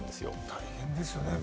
大変ですよね。